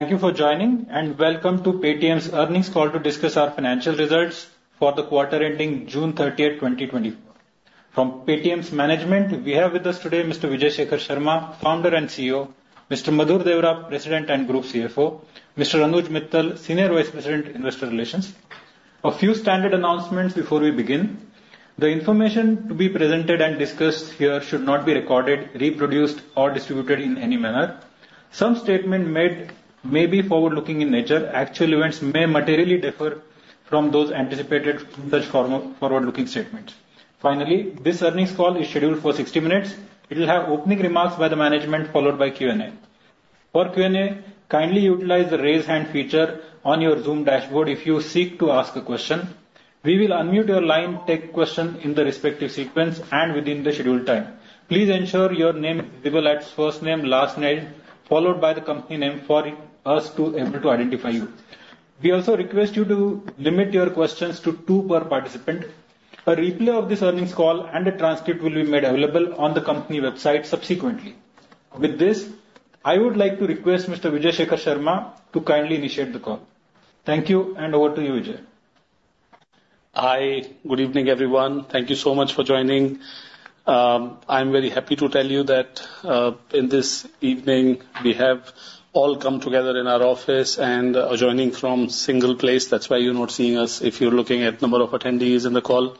Thank you for joining, and welcome to Paytm's earnings call to discuss our financial results for the quarter ending June 30, 2020. From Paytm's management, we have with us today Mr. Vijay Shekhar Sharma, Founder and CEO. Mr. Madhur Deora, President and Group CFO. Mr. Anuj Mittal, Senior Vice President, Investor Relations. A few standard announcements before we begin. The information to be presented and discussed here should not be recorded, reproduced, or distributed in any manner. Some statement made may be forward-looking in nature. Actual events may materially differ from those anticipated in such forward-looking statements. Finally, this earnings call is scheduled for 60 minutes. It will have opening remarks by the management, followed by Q&A. For Q&A, kindly utilize the Raise Hand feature on your Zoom dashboard if you seek to ask a question. We will unmute your line, take questions in the respective sequence and within the scheduled time. Please ensure your name is labeled as first name, last name, followed by the company name for us to be able to identify you. We also request you to limit your questions to two per participant. A replay of this earnings call and a transcript will be made available on the company website subsequently. With this, I would like to request Mr. Vijay Shekhar Sharma to kindly initiate the call. Thank you, and over to you, Vijay. Hi, good evening, everyone. Thank you so much for joining. I'm very happy to tell you that, in this evening, we have all come together in our office and are joining from single place. That's why you're not seeing us if you're looking at number of attendees in the call.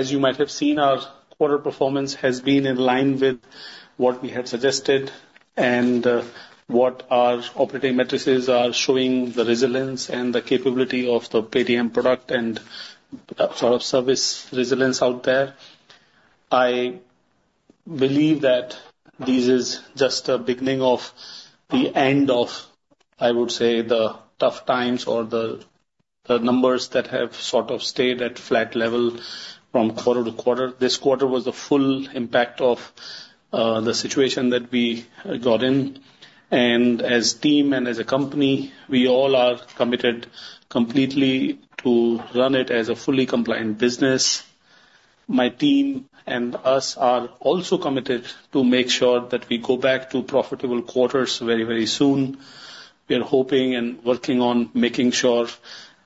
As you might have seen, our quarter performance has been in line with what we had suggested and, what our operating metrics are showing, the resilience and the capability of the Paytm product and sort of service resilience out there. I believe that this is just a beginning of the end of, I would say, the tough times or the, the numbers that have sort of stayed at flat level from quarter to quarter. This quarter was the full impact of the situation that we got in, and as team and as a company, we all are committed completely to run it as a fully compliant business. My team and us are also committed to make sure that we go back to profitable quarters very, very soon. We are hoping and working on making sure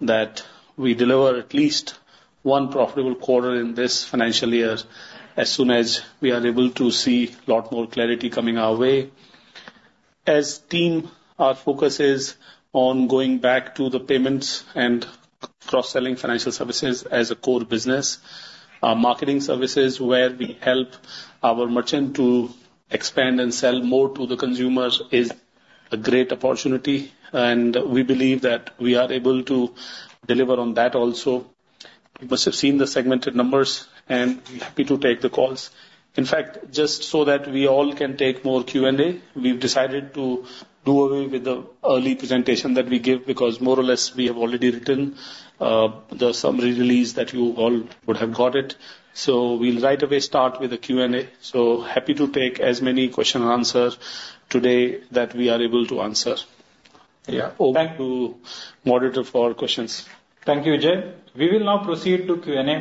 that we deliver at least one profitable quarter in this financial year, as soon as we are able to see a lot more clarity coming our way. As team, our focus is on going back to the payments and cross-selling financial services as a core business. Our marketing services, where we help our merchant to expand and sell more to the consumers, is a great opportunity, and we believe that we are able to deliver on that also. You must have seen the segmented numbers, and we're happy to take the calls. In fact, just so that we all can take more Q&A, we've decided to do away with the early presentation that we give, because more or less, we have already written the summary release that you all would have got it. So we'll right away start with the Q&A. So happy to take as many question and answer today that we are able to answer. Yeah, over back to moderator for questions. Thank you, Vijay. We will now proceed to Q&A.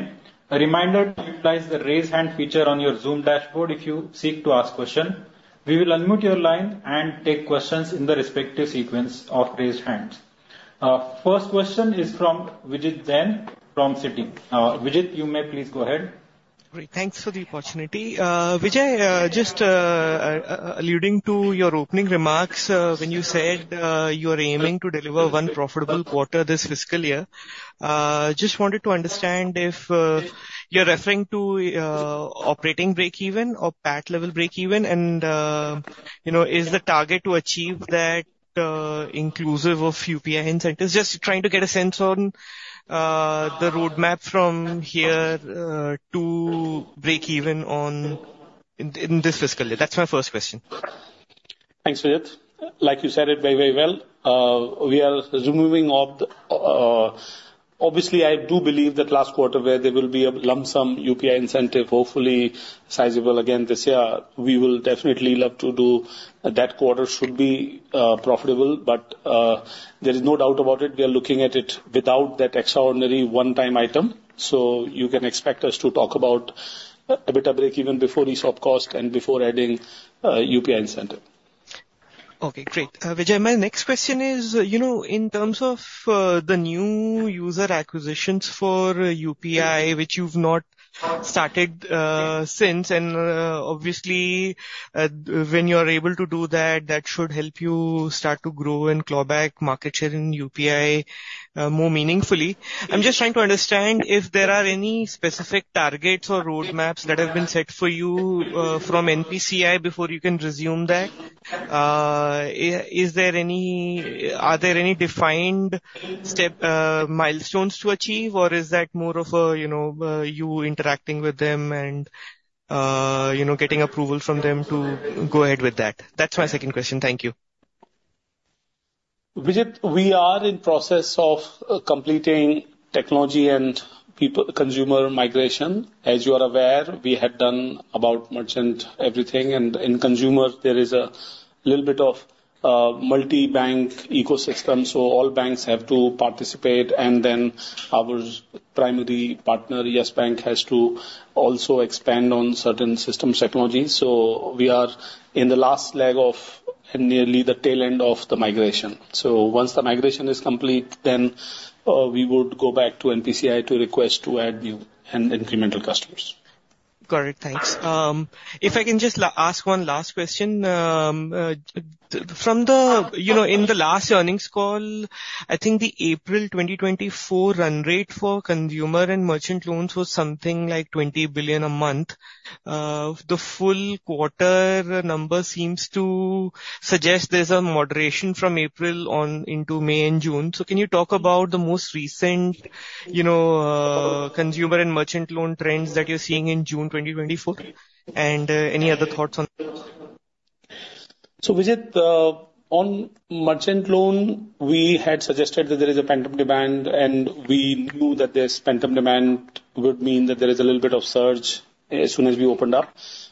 A reminder to utilize the Raise Hand feature on your Zoom dashboard if you seek to ask question. We will unmute your line and take questions in the respective sequence of raised hands. First question is from Vijit Jain from Citi. Vijit, you may please go ahead. Great. Thanks for the opportunity. Vijay, just alluding to your opening remarks, when you said you are aiming to deliver one profitable quarter this fiscal year, just wanted to understand if you're referring to operating breakeven or PAT level breakeven and, you know, is the target to achieve that inclusive of UPI incentives? Just trying to get a sense on the roadmap from here to breakeven in this fiscal year. That's my first question. Thanks, Vijit. Like you said it very, very well. We are removing of the... Obviously, I do believe that last quarter where there will be a lump sum UPI incentive, hopefully sizable again this year, we will definitely love to do. That quarter should be profitable, but there is no doubt about it, we are looking at it without that extraordinary one-time item. So you can expect us to talk about EBITDA breakeven before ESOP cost and before adding UPI incentive. Okay, great. Vijay, my next question is, you know, in terms of, the new user acquisitions for UPI, which you've not started, since, and, obviously, when you are able to do that, that should help you start to grow and claw back market share in UPI, more meaningfully. I'm just trying to understand if there are any specific targets or roadmaps that have been set for you, from NPCI before you can resume that. Is there any... Are there any defined step, milestones to achieve, or is that more of a, you know, you interacting with them and, you know, getting approval from them to go ahead with that? That's my second question. Thank you. Vijit, we are in process of completing technology and consumer migration. As you are aware, we have done about merchant everything, and in consumer, there is a little bit of multi-bank ecosystem, so all banks have to participate, and then our primary partner, Yes Bank, has to also expand on certain systems technologies. We are in the last leg of nearly the tail end of the migration. Once the migration is complete, then we would go back to NPCI to request to add new and incremental customers. Correct. Thanks. If I can just ask one last question. From the, you know, in the last earnings call, I think the April 2024 run rate for consumer and merchant loans was something like 20 billion a month. The full quarter number seems to suggest there's a moderation from April on into May and June. So can you talk about the most recent, you know, consumer and merchant loan trends that you're seeing in June 2024, and any other thoughts on? So, Vijit, on merchant loan, we had suggested that there is a pent-up demand, and we knew that this pent-up demand would mean that there is a little bit of surge as soon as we opened up.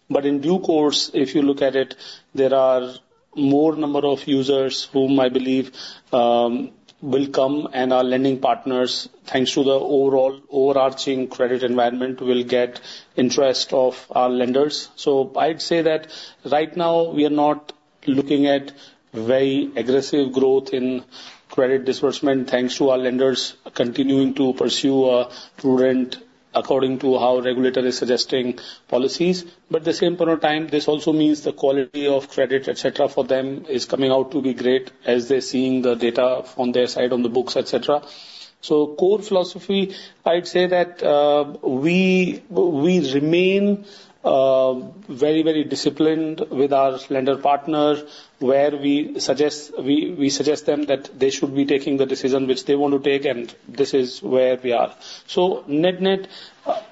But in due course, if you look at it, there are more number of users whom I believe will come, and our lending partners, thanks to the overall overarching credit environment, will get interest of our lenders. So I'd say that right now, we are not looking at very aggressive growth in credit disbursement, thanks to our lenders continuing to pursue prudent according to how regulator is suggesting policies. But at the same point of time, this also means the quality of credit, et cetera, for them is coming out to be great as they're seeing the data from their side on the books, et cetera. So core philosophy, I'd say that we remain very, very disciplined with our lender partners, where we suggest them that they should be taking the decision which they want to take, and this is where we are. So net-net,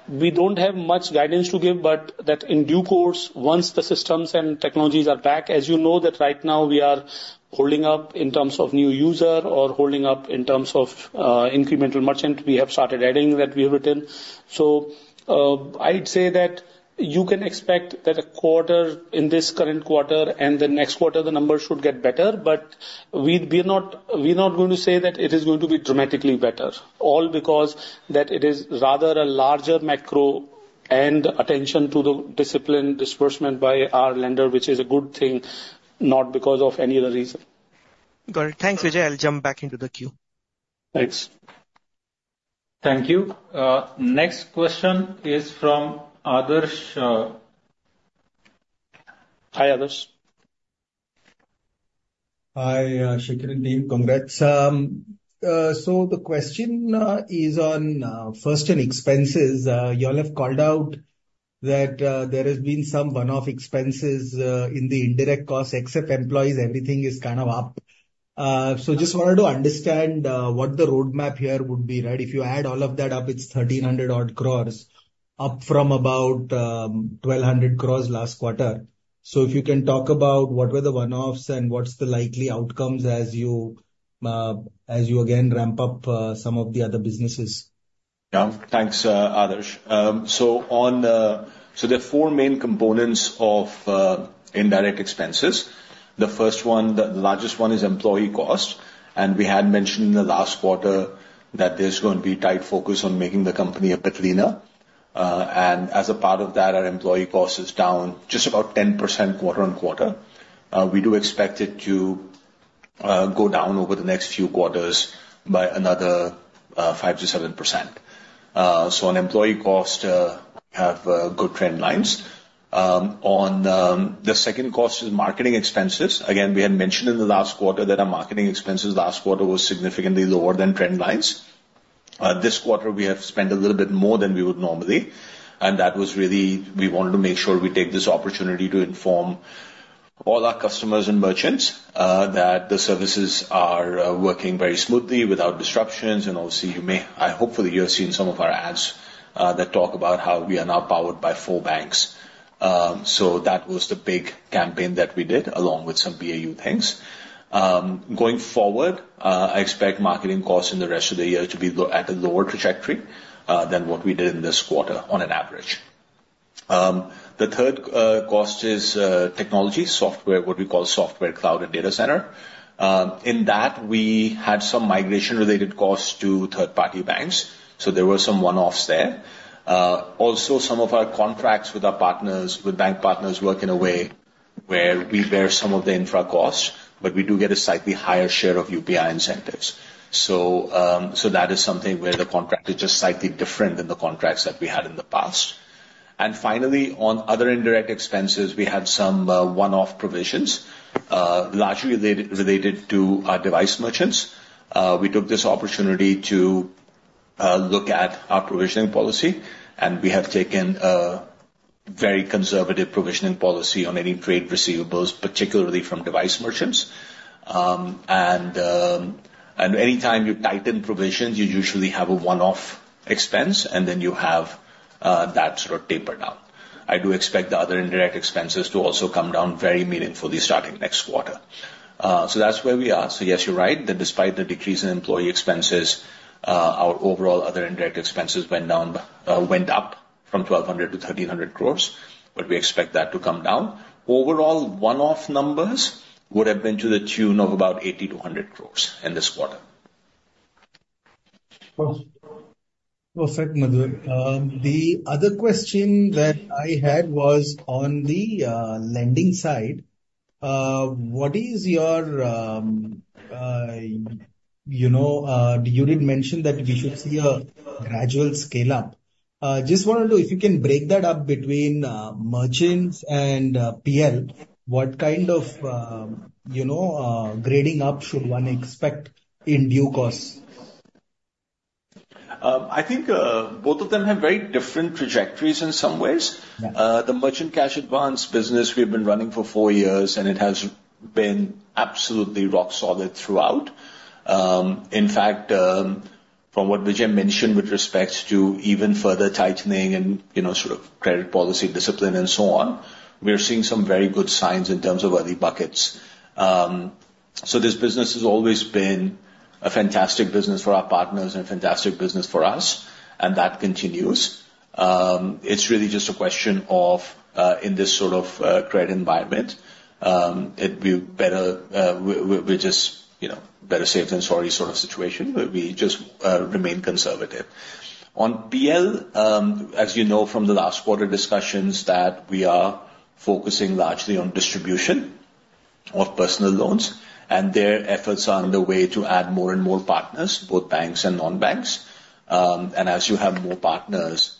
we don't have much guidance to give, but that in due course, once the systems and technologies are back, as you know that right now we are holding up in terms of new user or holding up in terms of incremental merchant, we have started adding that we have written. So I'd say that you can expect that a quarter, in this current quarter and the next quarter, the numbers should get better, but we're not going to say that it is going to be dramatically better. All because that it is rather a larger macro and attention to the disciplined disbursement by our lender, which is a good thing, not because of any other reason. Got it. Thanks, Vijay. I'll jump back into the queue. Thanks. Thank you. Next question is from Adarsh. Hi, Adarsh. Hi, [Shekhar and team]. Congrats! So the question is on first on expenses. You all have called out that there has been some one-off expenses in the indirect costs. Except employees, everything is kind of up. So just wanted to understand what the roadmap here would be, right? If you add all of that up, it's 1,300 odd crores, up from about 1,200 crores last quarter. So if you can talk about what were the one-offs and what's the likely outcomes as you again ramp up some of the other businesses. Yeah. Thanks, Adarsh. So on... So there are four main components of indirect expenses. The first one, the largest one, is employee cost, and we had mentioned in the last quarter that there's going to be tight focus on making the company a bit leaner. And as a part of that, our employee cost is down just about 10% quarter-over-quarter. We do expect it to go down over the next few quarters by another 5%-7%. So on employee cost, have good trend lines. On the second cost is marketing expenses. Again, we had mentioned in the last quarter that our marketing expenses last quarter was significantly lower than trend lines. This quarter, we have spent a little bit more than we would normally, and that was really, we wanted to make sure we take this opportunity to inform all our customers and merchants that the services are working very smoothly without disruptions. And also, you may hopefully have seen some of our ads that talk about how we are now powered by four banks. So that was the big campaign that we did, along with some BAU things. Going forward, I expect marketing costs in the rest of the year to be at a lower trajectory than what we did in this quarter on an average. The third cost is technology, software, what we call software, cloud, and data center. In that, we had some migration-related costs to third-party banks, so there were some one-offs there. Also, some of our contracts with our partners, with bank partners, work in a way where we bear some of the infra costs, but we do get a slightly higher share of UPI incentives. So, so that is something where the contract is just slightly different than the contracts that we had in the past. And finally, on other indirect expenses, we had some one-off provisions, largely related to our device merchants. We took this opportunity to look at our provisioning policy, and we have taken a very conservative provisioning policy on any trade receivables, particularly from device merchants. And any time you tighten provisions, you usually have a one-off expense, and then you have that sort of taper down. I do expect the other indirect expenses to also come down very meaningfully starting next quarter. So that's where we are. So yes, you're right, that despite the decrease in employee expenses, our overall other indirect expenses went down, went up from 1,200 crore to 1,300 crore, but we expect that to come down. Overall, one-off numbers would have been to the tune of about 80-100 crore in this quarter. Perfect, Madhur. The other question that I had was on the lending side. What is your, you know, you did mention that we should see a gradual scale up. Just wanted to know if you can break that up between merchants and PL. What kind of, you know, grading up should one expect in due course? I think, both of them have very different trajectories in some ways. Yeah. The merchant cash advance business, we've been running for four years, and it has been absolutely rock solid throughout. In fact, from what Vijay mentioned with respect to even further tightening and, you know, sort of credit policy discipline and so on, we are seeing some very good signs in terms of early buckets. So this business has always been a fantastic business for our partners and a fantastic business for us, and that continues. It's really just a question of, in this sort of credit environment, it'd be better, we just, you know, better safe than sorry sort of situation, where we just remain conservative. On PL, as you know from the last quarter discussions, that we are focusing largely on distribution of personal loans, and their efforts are underway to add more and more partners, both banks and non-banks. As you have more partners,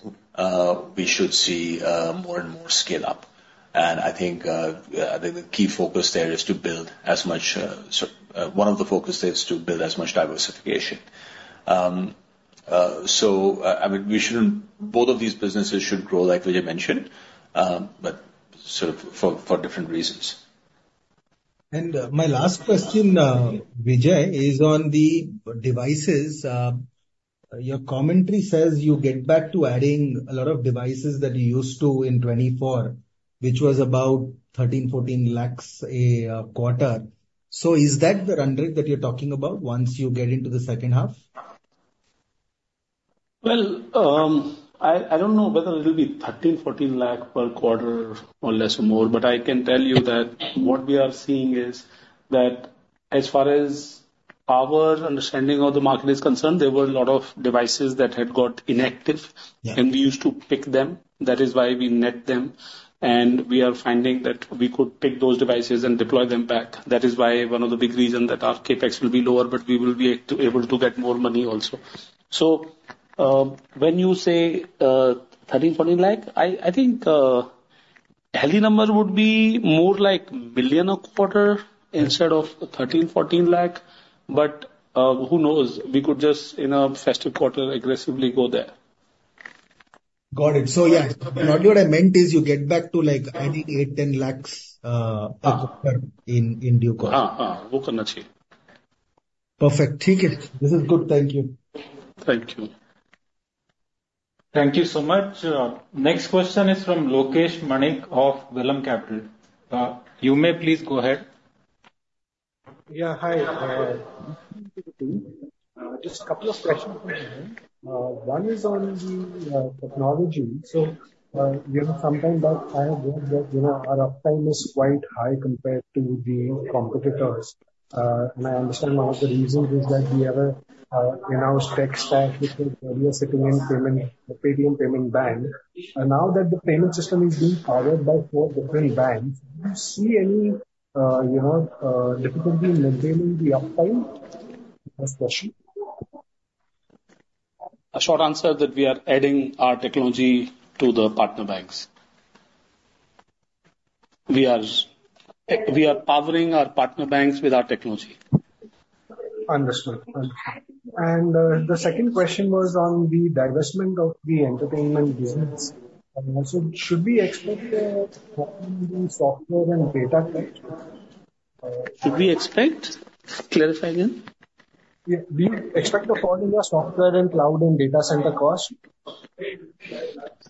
we should see more and more scale up. I think the key focus there is to build as much diversification. One of the focus is to build as much diversification. I mean, we shouldn't—both of these businesses should grow, like Vijay mentioned, but sort of for different reasons. My last question, Vijay, is on the devices. Your commentary says you get back to adding a lot of devices that you used to in 2024, which was about 13-14 lakhs a quarter. So is that the run rate that you're talking about once you get into the second half? Well, I don't know whether it will be 13-14 lakh per quarter or less or more, but I can tell you that what we are seeing is that as far as our understanding of the market is concerned, there were a lot of devices that had got inactive- Yeah. And we used to pick them. That is why we net them, and we are finding that we could pick those devices and deploy them back. That is why one of the big reason that our CapEx will be lower, but we will be able to get more money also. So, when you say 13-14 lakh, I think healthy number would be more like 1 million a quarter instead of 13-14 lakh. But, who knows? We could just, in a festive quarter, aggressively go there. Got it. So, yeah, what I meant is you get back to, like, adding 8-10 lakhs Uh. per quarter in due course. Uh, uh,. Perfect. This is good. Thank you. Thank you. Thank you so much. Next question is from Lokesh Marik of Vallum Capital. You may please go ahead. Yeah, hi. Just a couple of questions. One is on the technology. So, you know, sometime back, I heard that, you know, our uptime is quite high compared to the competitors. And I understand one of the reasons is that we have a you know, tech stack, which is earlier sitting in Paytm Payments Bank. And now that the payment system is being powered by four different banks, do you see any, you know, difficulty in maintaining the uptime? First question. A short answer, that we are adding our technology to the partner banks. We are powering our partner banks with our technology. Understood. Understood. And the second question was on the divestment of the entertainment business. So should we expect a software and data tech? Should we expect? Clarify again. Yeah. Do you expect a fall in your software and cloud and data center costs?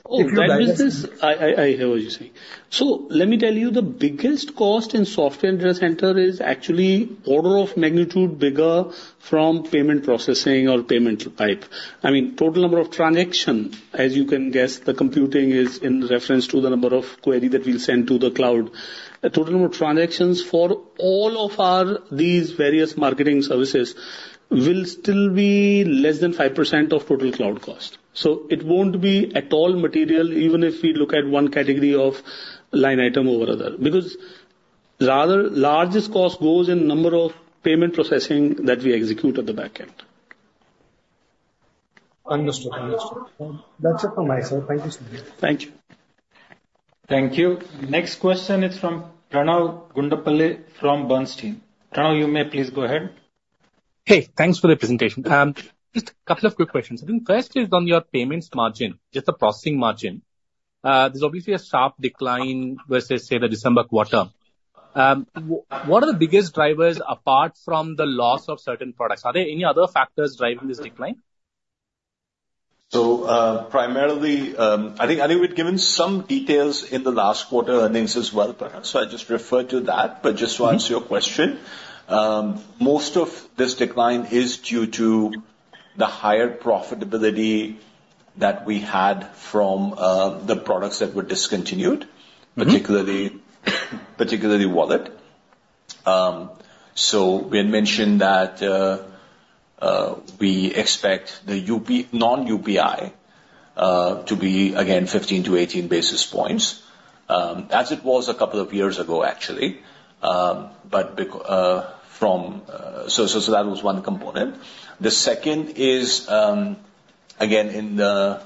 Oh, my business... I hear what you're saying. So let me tell you, the biggest cost in software data center is actually order of magnitude bigger from payment processing or payment type. I mean, total number of transaction, as you can guess, the computing is in reference to the number of query that we'll send to the cloud. The total number of transactions for all of our these various marketing services will still be less than 5% of total cloud cost. So it won't be at all material, even if we look at one category of line item over other, because rather, largest cost goes in number of payment processing that we execute at the back end. Understood. Understood. That's it from my side. Thank you so much. Thank you. Thank you. Next question is from Pranav Gundlapalle from Bernstein. Pranav, you may please go ahead. Hey, thanks for the presentation. Just a couple of quick questions. The first is on your payments margin, just the processing margin. There's obviously a sharp decline versus, say, the December quarter. What are the biggest drivers apart from the loss of certain products? Are there any other factors driving this decline? So, primarily, I think, I think we've given some details in the last quarter earnings as well, perhaps, so I just refer to that. But just to answer your question, most of this decline is due to the higher profitability that we had from, the products that were discontinued- Mm-hmm. particularly Wallet. So we had mentioned that we expect the UPI, non-UPI- to be again, 15-18 basis points, as it was a couple of years ago, actually. But from... So that was one component. The second is, again, in the,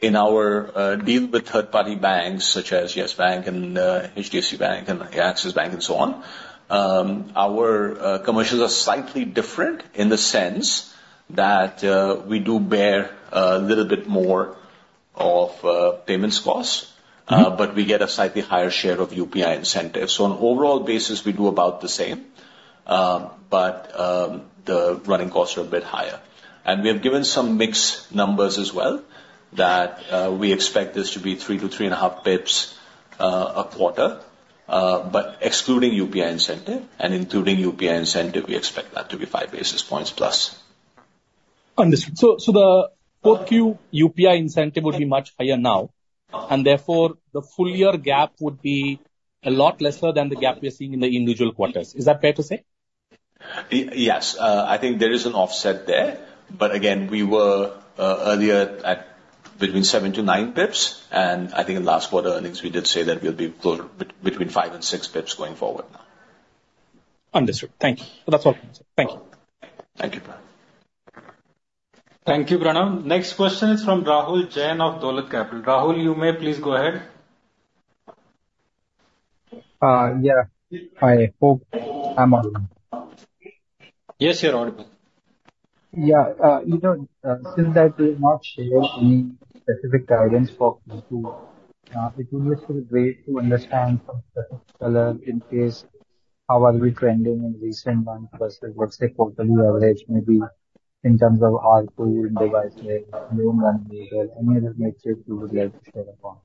in our, deal with third-party banks, such as Yes Bank and, HDFC Bank and Axis Bank, and so on, our, commercials are slightly different in the sense that, we do bear a little bit more of, payments costs- Mm-hmm. But we get a slightly higher share of UPI incentives. So on an overall basis, we do about the same, but the running costs are a bit higher. And we have given some mixed numbers as well, that we expect this to be 3-3.5 bips a quarter, but excluding UPI incentive, and including UPI incentive, we expect that to be 5 basis points plus. Understood. So, the 4Q UPI incentive would be much higher now, and therefore, the full year gap would be a lot lesser than the gap we are seeing in the individual quarters. Is that fair to say? Yes. I think there is an offset there, but again, we were earlier at between 7-9 bips, and I think in last quarter earnings, we did say that we'll be closer between 5 and 6 bips going forward now. Understood. Thank you. So that's all. Thank you. Thank you. Thank you, Pranav. Next question is from Rahul Jain of Dolat Capital. Rahul, you may please go ahead. Yeah. I hope I'm on. Yes, you're audible. Yeah, you know, since I did not share any specific guidance for Q2, it will just be great to understand from specific color in case, how are we trending in recent months versus what's the quarterly average, maybe in terms of ARPU, devices, new monthly users, any other metrics you would like to share upon?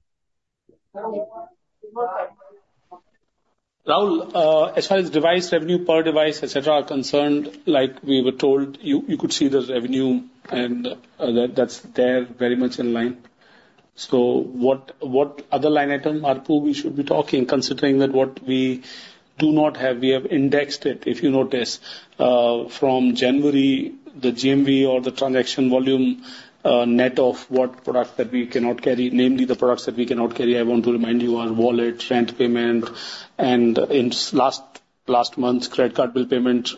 Rahul, as far as device revenue, per device, et cetera, are concerned, like we were told, you, you could see the revenue and, that, that's there very much in line. So what, what other line item, ARPU, we should be talking, considering that what we do not have, we have indexed it, if you notice, from January, the GMV or the transaction volume, net of what product that we cannot carry, namely the products that we cannot carry, I want to remind you, are wallet, rent payment, and in last, last month, credit card bill payment,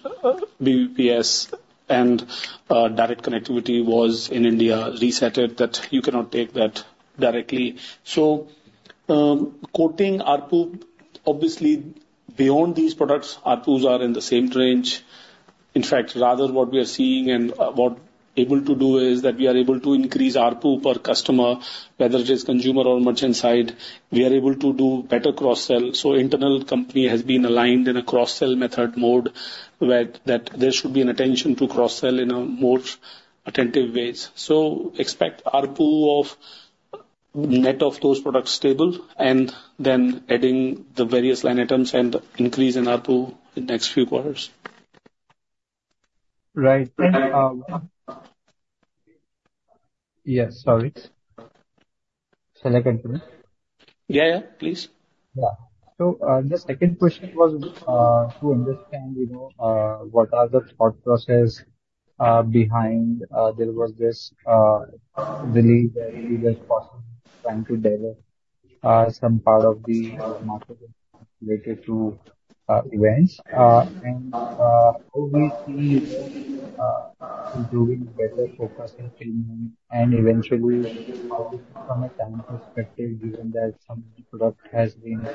BBPS and, direct connectivity was in India, reset it, that you cannot take that directly. So, quoting ARPU, obviously, beyond these products, ARPUs are in the same range. In fact, rather, what we are seeing and what we're able to do is that we are able to increase ARPU per customer, whether it is consumer or merchant side. We are able to do better cross-sell. So internal company has been aligned in a cross-sell method mode, where that there should be an attention to cross-sell in a more attentive ways. So expect ARPU of net of those products stable, and then adding the various line items and increase in ARPU the next few quarters. Right. Yes, sorry. Shall I continue? Yeah, yeah, please. Yeah. So, the second question was, to understand, you know, what are the thought process, behind, there was this, belief that trying to develop, some part of the market related to, events, and, how we see, doing better focus and, and eventually from a time perspective, given that some product has been,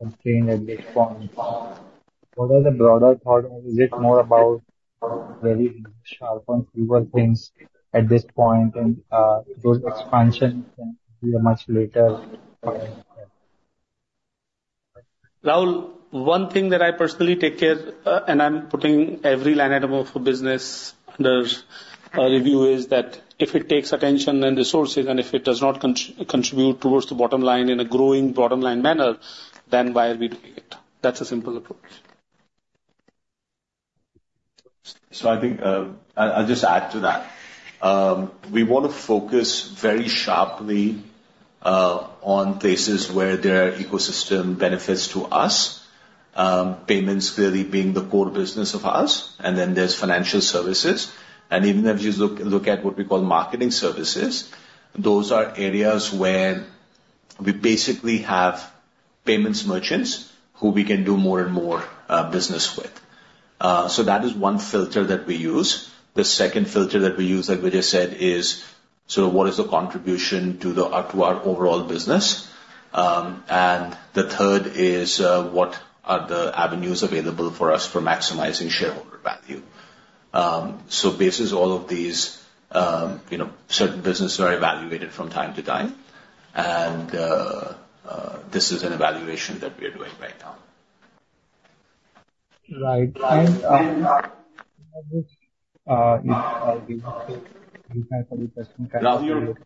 contained at this point. What are the broader thought? Is it more about very sharp on fewer things at this point, and, those expansion can be a much later point? Rahul, one thing that I personally take care, and I'm putting every line item of business under review, is that if it takes attention and resources, and if it does not contribute towards the bottom line in a growing bottom-line manner, then why are we doing it? That's a simple approach. So I think I'll just add to that. We want to focus very sharply on places where there are ecosystem benefits to us. Payments clearly being the core business of ours, and then there's financial services. And even if you look at what we call marketing services, those are areas where we basically have payments merchants who we can do more and more business with. So that is one filter that we use. The second filter that we use, like Vijay said, is: so what is the contribution to our overall business? And the third is, what are the avenues available for us for maximizing shareholder value? So basis all of these, you know, certain businesses are evaluated from time to time, and this is an evaluation that we are doing right now. Right. And, Rahul,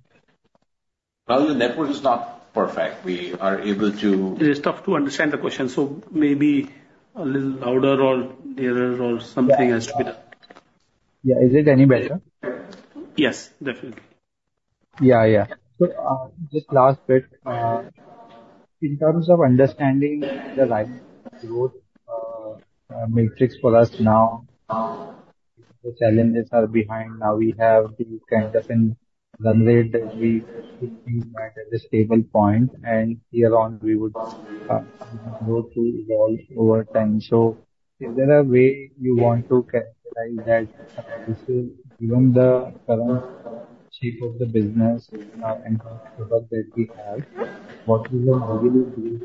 your network is not perfect. We are able to- It is tough to understand the question, so maybe a little louder or clearer or something has to be done. Yeah. Is it any better? Yes, definitely. Yeah, yeah. So, just last bit, in terms of understanding the right growth matrix for us now, the challenges are behind. Now we have the canvas and run rate that we at a stable point, and year on, we would go to evolve over time. So is there a way you want to characterize that, this is given the current shape of the business and product that we have, what is the revenue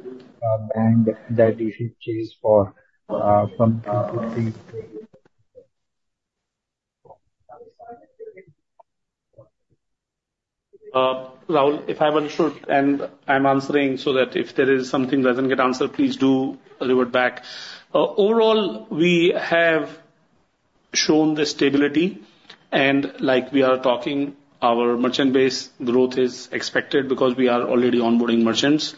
band that you should chase for, from [INR 250?] Rahul, if I understood, and I'm answering so that if there is something doesn't get answered, please do revert back. Overall, we have shown the stability, and like we are talking, our merchant base growth is expected because we are already onboarding merchants,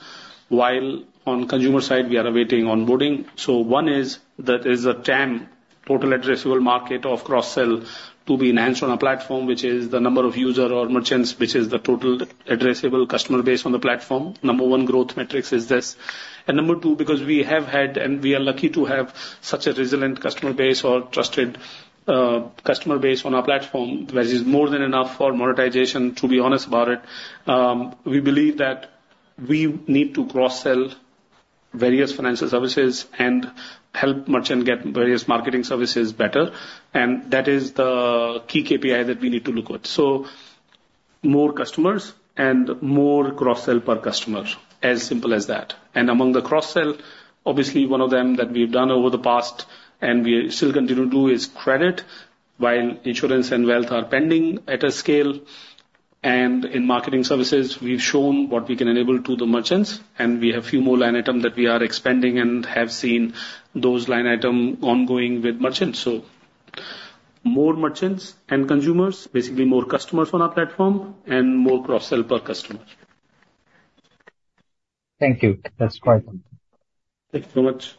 while on consumer side, we are awaiting onboarding. So one is that is a TAM, total addressable market of cross-sell to be enhanced on a platform which is the number of user or merchants, which is the total addressable customer base on the platform. Number one growth metrics is this. And number two, because we have had, and we are lucky to have such a resilient customer base or trusted customer base on our platform, which is more than enough for monetization, to be honest about it, we believe that we need to cross-sell various financial services and help merchant get various marketing services better, and that is the key KPI that we need to look at. So more customers and more cross-sell per customer, as simple as that. And among the cross-sell, obviously, one of them that we've done over the past, and we still continue to do, is credit, while insurance and wealth are pending at a scale. And in marketing services, we've shown what we can enable to the merchants, and we have a few more line item that we are expanding and have seen those line item ongoing with merchants. So more merchants and consumers, basically more customers on our platform and more cross-sell per customer. Thank you. That's quite something. Thank you so much.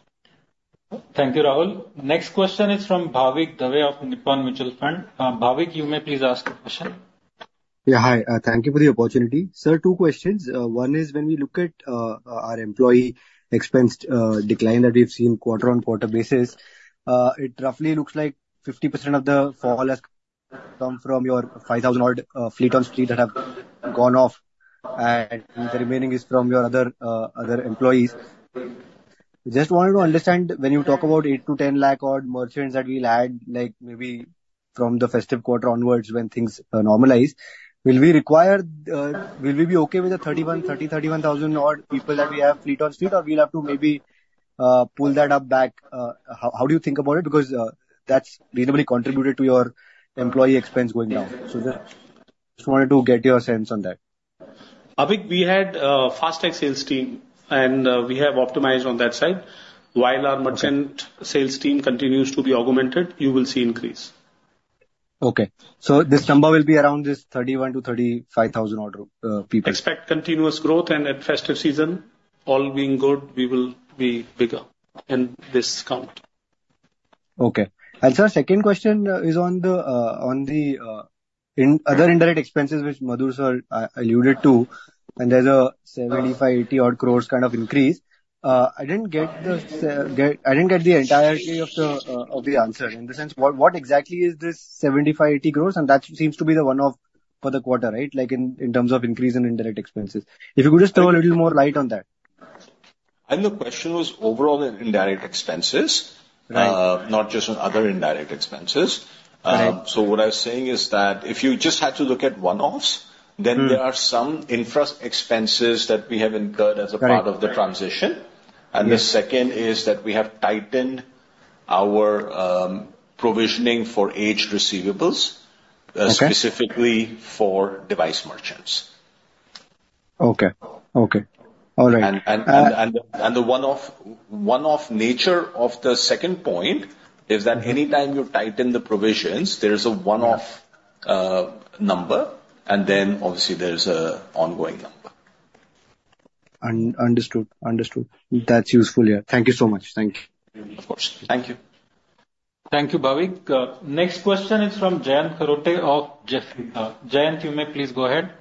Thank you, Rahul. Next question is from Bhavik Dave of Nippon India Mutual Fund. Bhavik, you may please ask the question. Yeah, hi. Thank you for the opportunity. Sir, two questions. One is when we look at our employee expense decline that we've seen quarter-on-quarter basis, it roughly looks like 50% of the fall has come from your 5,000-odd fleet on street that have gone off, and the remaining is from your other employees. Just wanted to understand, when you talk about 8-10 Lakh odd merchants that we'll add, like maybe from the festive quarter onwards, when things normalize, will we require—will we be okay with the 31,000-odd people that we have fleet on street, or we'll have to maybe pull that up back? How do you think about it? Because that's mainly contributed to your employee expense going down. So just wanted to get your sense on that. Bhavik, we had a FASTag sales team, and, we have optimized on that side. While our merchant sales team continues to be augmented, you will see increase. Okay. So this number will be around this 31000-35000 odd people. Expect continuous growth, and at festive season, all being good, we will be bigger in this count. Okay. And sir, second question is on the other indirect expenses, which Madhur sir alluded to, and there's a 75-80 crore kind of increase. I didn't get the entirety of the answer. In the sense, what exactly is this 75-80 crore? And that seems to be the one-off for the quarter, right? Like in terms of increase in indirect expenses. If you could just throw a little more light on that. The question was overall in indirect expenses- Right. not just on other indirect expenses. Right. So what I was saying is that if you just had to look at one-offs- Mm-hmm. Then there are some infra expenses that we have incurred as a part of the transition. Right. The second is that we have tightened our provisioning for aged receivables- Okay. specifically for device merchants. Okay. Okay. All right. And the one-off nature of the second point is that anytime you tighten the provisions, there is a one-off number, and then obviously there is an ongoing number. Understood. Understood. That's useful, yeah. Thank you so much. Thank you. Of course. Thank you. Thank you, Bhavik. Next question is from Jayant Kharote of Jefferies. Jayant, you may please go ahead.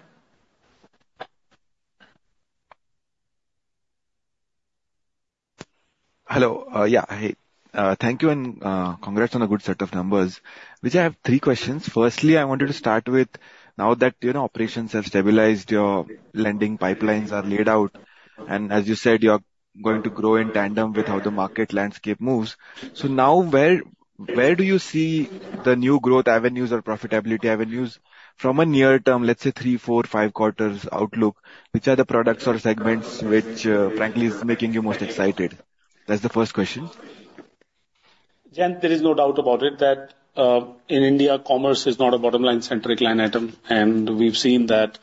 Hello. Yeah, hi. Thank you, and congrats on a good set of numbers. I have three questions. Firstly, I wanted to start with, now that, you know, operations have stabilized, your lending pipelines are laid out, and as you said, you are going to grow in tandem with how the market landscape moves. So now, where do you see the new growth avenues or profitability avenues from a near term, let's say, three, four, five quarters outlook? Which are the products or segments which, frankly, is making you most excited? That's the first question. Jayant, there is no doubt about it, that, in India, commerce is not a bottom-line centric line item, and we've seen that,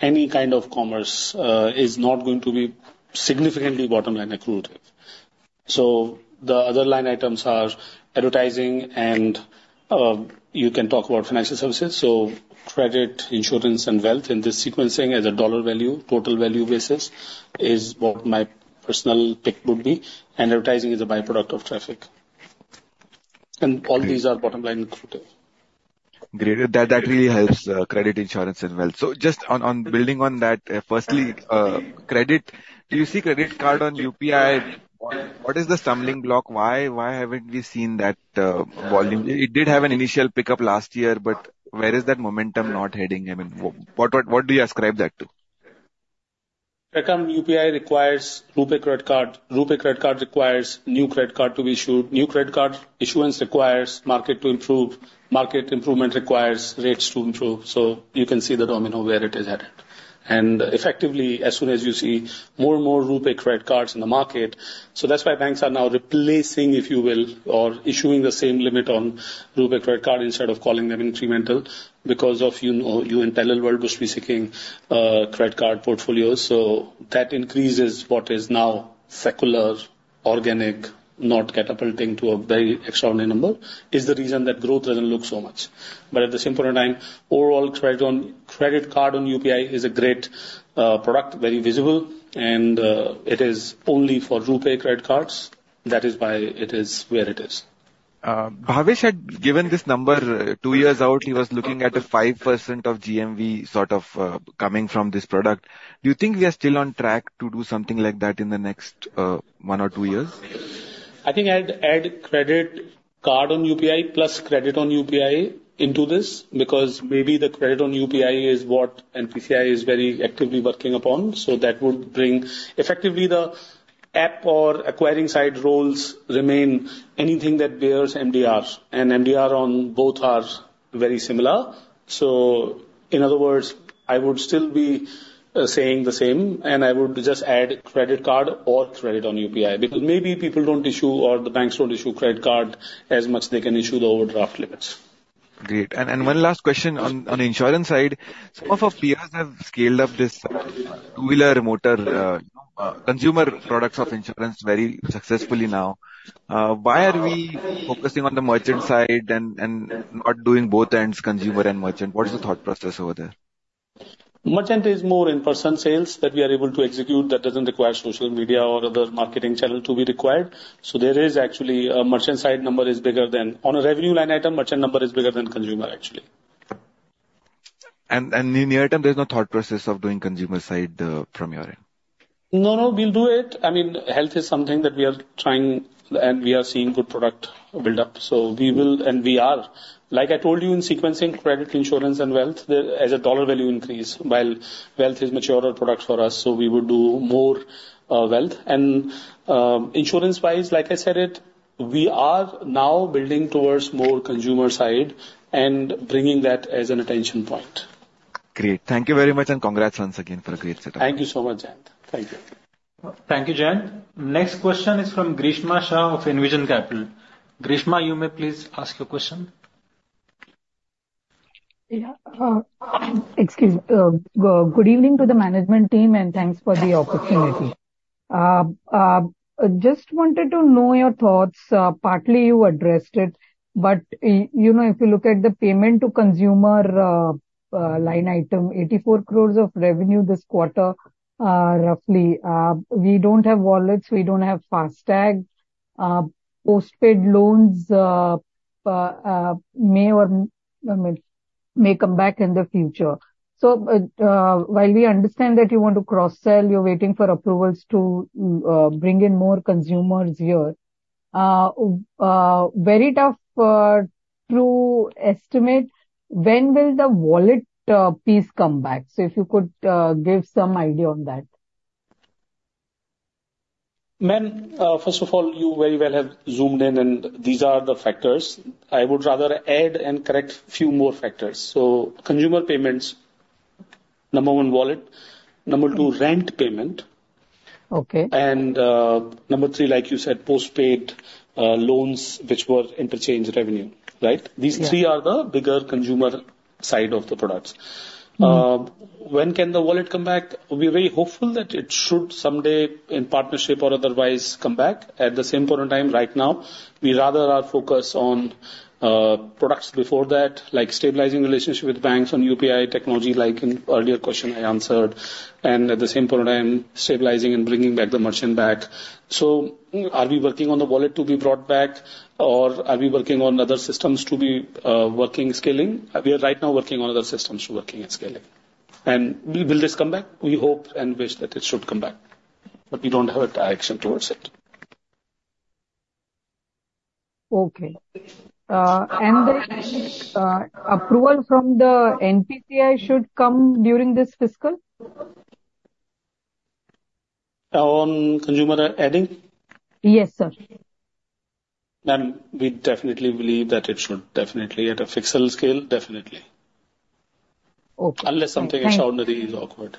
any kind of commerce, is not going to be significantly bottom-line accretive. So the other line items are advertising and, you can talk about financial services, so credit, insurance, and wealth, and this sequencing as a dollar value, total value basis, is what my personal pick would be, and advertising is a by-product of traffic.... and all these are bottom line included. Great! That, that really helps, credit insurance and wealth. So just on, on building on that, firstly, credit, do you see credit card on UPI? What is the stumbling block? Why haven't we seen that volume? It did have an initial pickup last year, but where is that momentum not heading? I mean, what do you ascribe that to? Second, UPI requires RuPay credit card. RuPay credit card requires new credit card to be issued. New credit card issuance requires market to improve. Market improvement requires rates to improve, so you can see the domino where it is headed. And effectively, as soon as you see more and more RuPay credit cards in the market, so that's why banks are now replacing, if you will, or issuing the same limit on RuPay credit card instead of calling them incremental because of, you know, you in parallel world, which we seeking, credit card portfolios. So that increases what is now secular, organic, not catapulting to a very extraordinary number, is the reason that growth doesn't look so much. But at the same point in time, overall credit card on UPI is a great product, very visible, and it is only for RuPay credit cards. That is why it is where it is. Bhavesh had given this number. Two years out, he was looking at a 5% of GMV sort of, coming from this product. Do you think we are still on track to do something like that in the next, one or two years? I think I'd add credit card on UPI, plus credit on UPI into this, because maybe the credit on UPI is what NPCI is very actively working upon, so that would bring... Effectively, the app or acquiring side roles remain anything that bears MDRs, and MDR on both are very similar. So in other words, I would still be saying the same, and I would just add credit card or credit on UPI, because maybe people don't issue or the banks don't issue credit card as much they can issue the overdraft limits. Great. And one last question on the insurance side. Some of our peers have scaled up this two-wheeler motor, consumer products of insurance very successfully now. Why are we focusing on the merchant side and not doing both ends, consumer and merchant? What is the thought process over there? Merchant is more in-person sales that we are able to execute, that doesn't require social media or other marketing channel to be required. So there is actually a merchant side number that is bigger than... On a revenue line item, merchant number is bigger than consumer, actually. And in the near term, there's no thought process of doing consumer side from your end? No, no, we'll do it. I mean, health is something that we are trying and we are seeing good product build-up. So we will, and we are. Like I told you, in sequencing, credit, insurance, and wealth, the, as a dollar value increase, while wealth is maturer product for us, so we would do more, wealth. And, insurance-wise, like I said it, we are now building towards more consumer side and bringing that as an attention point. Great. Thank you very much, and congrats once again for a great set up. Thank you so much, Jayant. Thank you. Thank you, Jayant. Next question is from Grishma Shah of Envision Capital. Grishma, you may please ask your question. Yeah, excuse, good evening to the management team, and thanks for the opportunity. Just wanted to know your thoughts, partly you addressed it, but you know, if you look at the payment to consumer line item, 84 crore of revenue this quarter, roughly. We don't have wallets, we don't have FASTag. Postpaid loans may or may come back in the future. So, while we understand that you want to cross-sell, you're waiting for approvals to bring in more consumers here, very tough to estimate, when will the wallet piece come back? So if you could give some idea on that. Ma'am, first of all, you very well have zoomed in, and these are the factors. I would rather add and correct few more factors. So consumer payments, number one, wallet. Number two, rent payment. Okay. Number three, like you said, postpaid loans, which were interchange revenue, right? Yeah. These three are the bigger consumer side of the products. Mm. When can the wallet come back? We're very hopeful that it should someday, in partnership or otherwise, come back. At the same point in time, right now, we rather are focused on products before that, like stabilizing relationship with banks on UPI technology, like in earlier question I answered, and at the same point in time, stabilizing and bringing back the merchant back. So are we working on the wallet to be brought back, or are we working on other systems to be working, scaling? We are right now working on other systems, working and scaling. And will this come back? We hope and wish that it should come back, but we don't have a direction towards it. Okay. And the approval from the NPCI should come during this fiscal? On consumer adding? Yes, sir. Ma'am, we definitely believe that it should definitely, at a fiscal scale, definitely. Okay. Unless something extraordinary is awkward.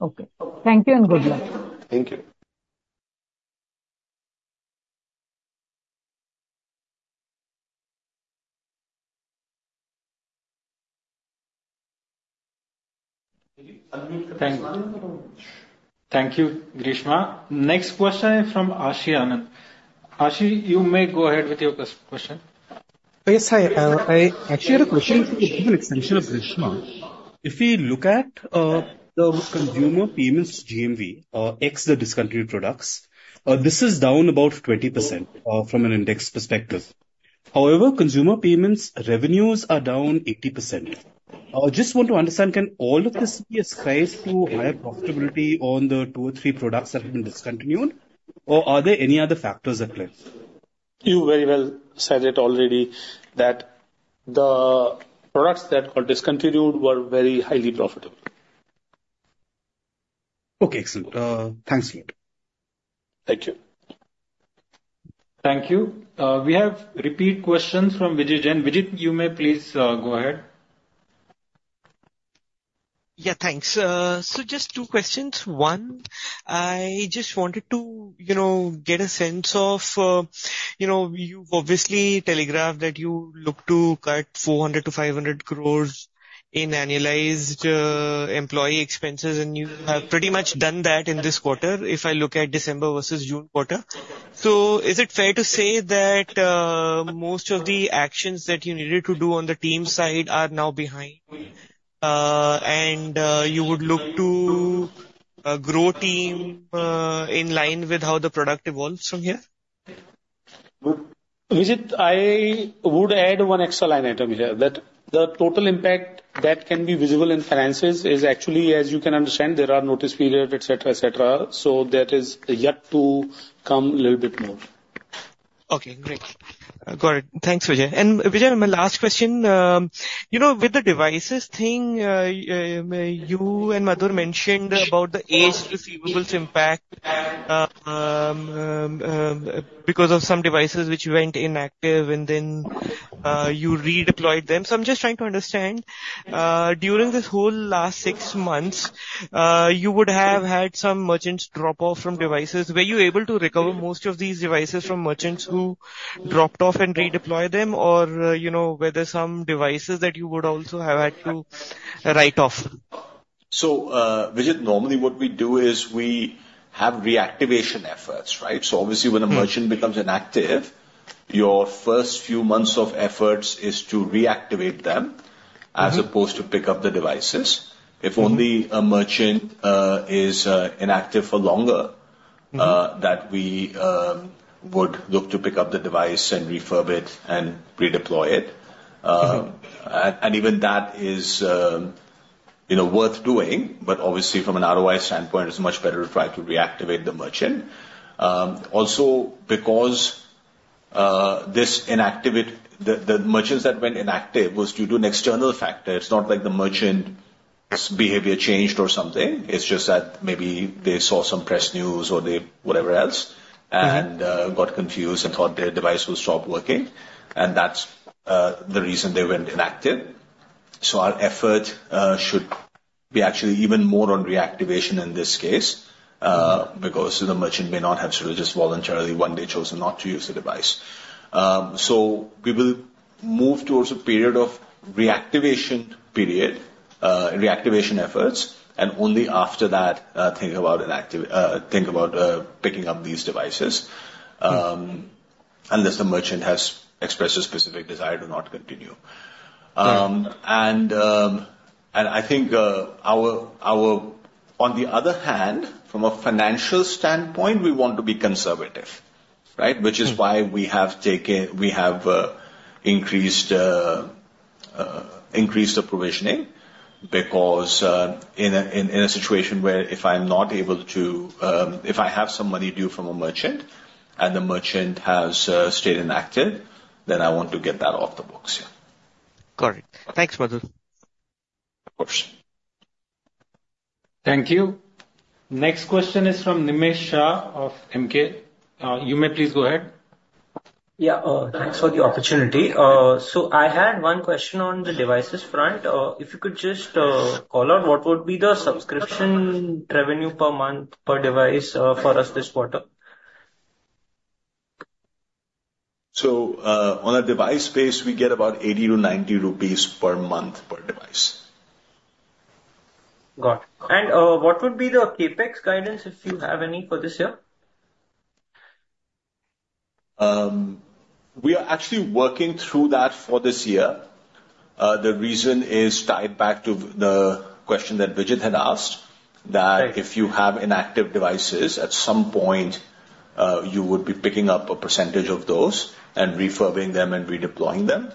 Okay. Thank you and good luck. Thank you. Thank you. Thank you, Grishma. Next question is from Aashi Anand. Aashi, you may go ahead with your question. Yes, hi, I actually had a question, even extension of Grishma. If we look at the consumer payments GMV, ex the discontinued products, this is down about 20%, from an index perspective. However, consumer payments revenues are down 80%. Just want to understand, can all of this be ascribed to higher profitability on the two or three products that have been discontinued, or are there any other factors at play? You very well said it already, that the products that were discontinued were very highly profitable. Okay, excellent. Thanks a lot. Thank you. Thank you. We have repeat questions from Vijit Jain. Vijit, you may please, go ahead. Yeah, thanks. So just two questions. one, I just wanted to, you know, get a sense of, you know, you've obviously telegraphed that you look to cut 400 crore-500 crore in annualized employee expenses, and you have pretty much done that in this quarter, if I look at December versus June quarter. So is it fair to say that most of the actions that you needed to do on the team side are now behind, and you would look to grow team in line with how the product evolves from here? Vijit, I would add one extra line item here, that the total impact that can be visible in finances is actually, as you can understand, there are notice period, et cetera, et cetera, so that is yet to come a little bit more. Okay, great. Got it. Thanks, Vijay. And Vijay, my last question, you know, with the devices thing, you and Madhur mentioned about the aged receivables impact, because of some devices which went inactive and then you redeployed them. So I'm just trying to understand, during this whole last six months, you would have had some merchants drop off from devices. Were you able to recover most of these devices from merchants who dropped off and redeploy them? Or, you know, were there some devices that you would also have had to write off? Vijit, normally, what we do is we have reactivation efforts, right? So obviously, when a merchant becomes inactive, your first few months of efforts is to reactivate them- Mm-hmm. as opposed to pick up the devices. Mm-hmm. If only a merchant is inactive for longer- Mm-hmm. that we would look to pick up the device and refurb it and redeploy it. Mm-hmm. And even that is, you know, worth doing, but obviously from an ROI standpoint, it's much better to try to reactivate the merchant. Also, because the merchants that went inactive was due to an external factor. It's not like the merchant's behavior changed or something. It's just that maybe they saw some press news or they... whatever else- Mm-hmm. got confused and thought their device would stop working, and that's the reason they went inactive. So our effort should be actually even more on reactivation in this case, because the merchant may not have sort of just voluntarily one day chosen not to use the device. So we will move towards a period of reactivation efforts, and only after that, think about picking up these devices, unless the merchant has expressed a specific desire to not continue. Right. On the other hand, from a financial standpoint, we want to be conservative, right? Mm. Which is why we have taken—we have increased the provisioning, because in a situation where if I'm not able to... If I have some money due from a merchant, and the merchant has stayed inactive, then I want to get that off the books, yeah. Got it. Thanks, Madhur. Of course. Thank you. Next question is from Nimesh Shah of Emkay. You may please go ahead. Yeah, thanks for the opportunity. So I had one question on the devices front. If you could just call out what would be the subscription revenue per month, per device, for us this quarter? On a device basis, we get about 80-90 rupees per month per device. Got it. And, what would be the CapEx guidance, if you have any, for this year? We are actually working through that for this year. The reason is tied back to the question that Vijit had asked- Right. that if you have inactive devices, at some point, you would be picking up a percentage of those and refurbing them and redeploying them.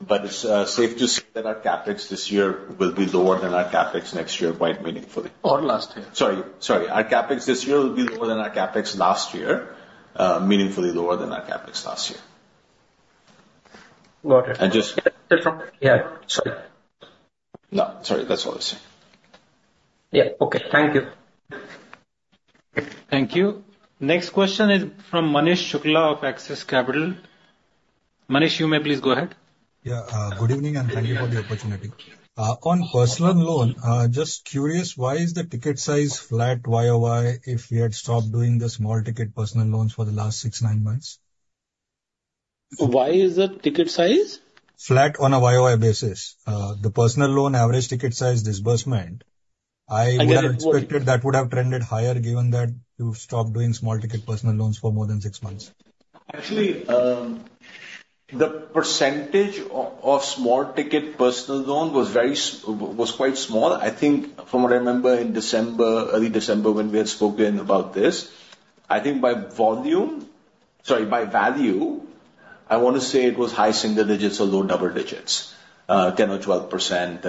But it's safe to say that our CAPEX this year will be lower than our CapEx next year, quite meaningfully. Or last year? Sorry, sorry. Our CapEx this year will be lower than our CapEx last year, meaningfully lower than our CapEx last year. Got it. And just- Yeah, sorry. No, sorry. That's all I was saying. Yeah, okay. Thank you. Thank you. Next question is from Manish Shukla of Axis Capital. Manish, you may please go ahead. Yeah, good evening, and thank you for the opportunity. On personal loan, just curious, why is the ticket size flat YOY, if we had stopped doing the small ticket personal loans for the last 6, 9 months? Why is the ticket size? Flat on a YOY basis. The personal loan average ticket size disbursement-... I would have expected that would have trended higher, given that you've stopped doing small ticket personal loans for more than six months. Actually, the percentage of small ticket personal loan was very small. I think from what I remember in December, early December, when we had spoken about this, I think by volume, sorry, by value, I want to say it was high single digits or low double digits. 10 or 12%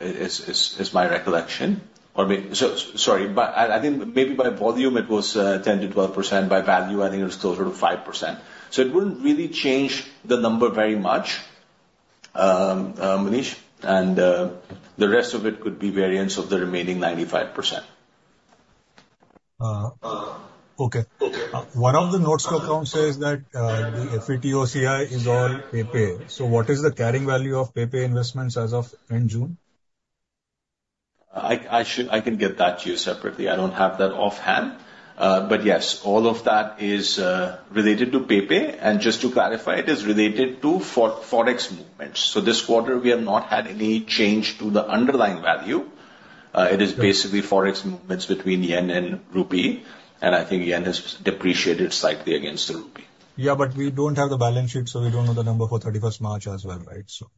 is my recollection. Or so, sorry, but I think maybe by volume it was 10%-12%. By value, I think it was closer to 5%. So it wouldn't really change the number very much, Manish, and the rest of it could be variance of the remaining 95%. Okay. One of the notes from loan says that the FX OCI is all PayPay. So what is the carrying value of PayPay investments as of end June? I should—I can get that to you separately. I don't have that offhand. But yes, all of that is related to PayPay. And just to clarify, it is related to forex movements. So this quarter, we have not had any change to the underlying value. It is basically forex movements between yen and rupee, and I think yen has depreciated slightly against the rupee. Yeah, but we don't have the balance sheet, so we don't know the number for 31st March as well, right? So.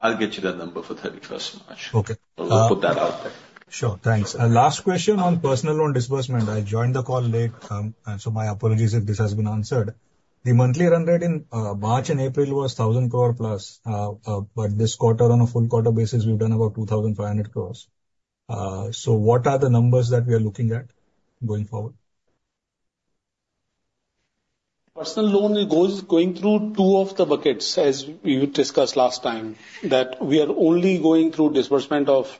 I'll get you the number for 31st March. Okay. I'll put that out there. Sure. Thanks. And last question on personal loan disbursement. I joined the call late, and so my apologies if this has been answered. The monthly run rate in March and April was 1,000 crore plus. But this quarter, on a full quarter basis, we've done about 2,500 crores. So what are the numbers that we are looking at going forward? Personal loan is going through two of the buckets, as we discussed last time, that we are only going through disbursement of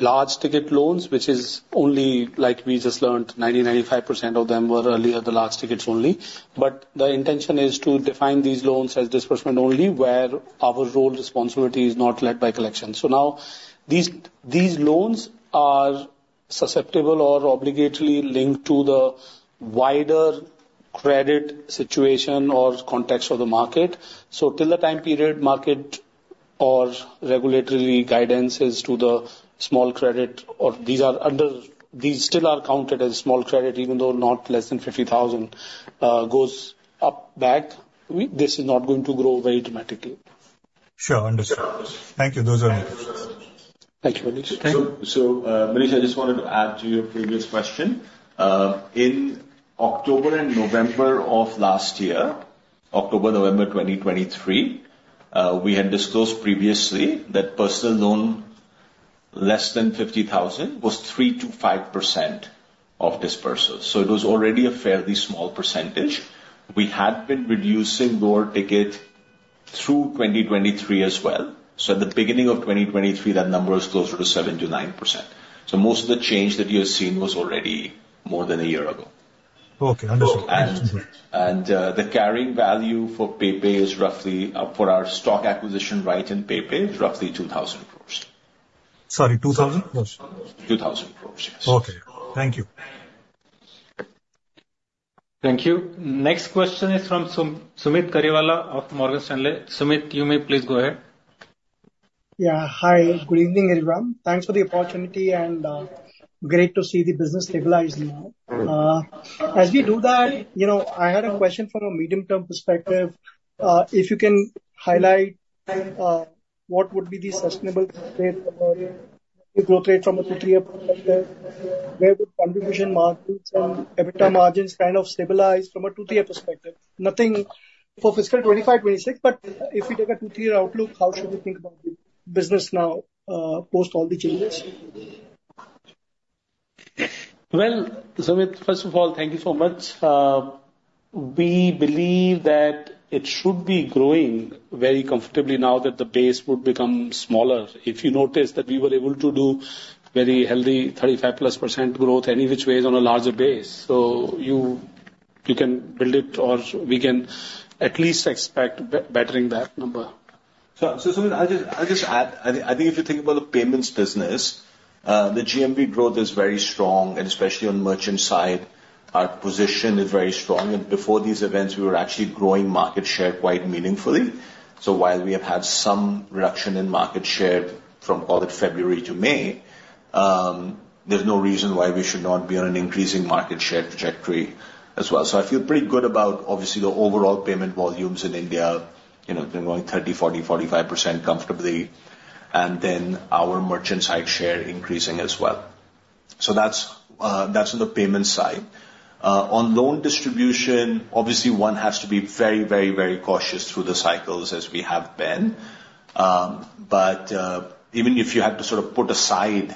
large ticket loans, which is only like we just learned, 95% of them were earlier the large tickets only. But the intention is to define these loans as disbursement only, where our role responsibility is not led by collection. So now, these loans are susceptible or obligatorily linked to the wider credit situation or context of the market. So till the time period, market or regulatory guidances to the small credit or these are under—these still are counted as small credit, even though not less than 50,000 this is not going to grow very dramatically. Sure. Understood. Thank you. Those are all. Thank you, Manish. So, Manish, I just wanted to add to your previous question. In October and November of last year, October, November 2023, we had disclosed previously that personal loan, less than 50,000 was 3%-5% of disbursals, so it was already a fairly small percentage. We had been reducing lower ticket through 2023 as well. So at the beginning of 2023, that number was closer to 7%-9%. So most of the change that you have seen was already more than a year ago. Okay, understood. The carrying value for PayPay is roughly for our stock acquisition right in PayPay, is roughly 2,000 crore. Sorry, 2000 crore? 2,000 crore, yes. Okay, thank you. Thank you. Next question is from Sumeet Kariwala of Morgan Stanley. Sumeet, you may please go ahead. Yeah. Hi, good evening, everyone. Thanks for the opportunity, and great to see the business stabilized now. As we do that, you know, I had a question from a medium-term perspective. If you can highlight what would be the sustainable growth rate from a two-year perspective? Where the contribution margins and EBITDA margins kind of stabilize from a two-year perspective. Nothing for fiscal 2025, 2026, but if we take a two-year outlook, how should we think about the business now, post all the changes? Well, Sumeet, first of all, thank you so much. We believe that it should be growing very comfortably now that the base would become smaller. If you notice that we were able to do very healthy, 35%+ growth, any which way is on a larger base. So you, you can build it, or we can at least expect bettering that number. So, Sumeet, I'll just, I'll just add. I think, I think if you think about the payments business, the GMV growth is very strong, and especially on merchant side, our position is very strong. And before these events, we were actually growing market share quite meaningfully. So while we have had some reduction in market share from early February to May, there's no reason why we should not be on an increasing market share trajectory as well. So I feel pretty good about, obviously, the overall payment volumes in India, you know, they're growing 30%, 40%, 45% comfortably, and then our merchant side share increasing as well. So that's, that's on the payment side. On loan distribution, obviously one has to be very, very, very cautious through the cycles as we have been. But, even if you had to sort of put aside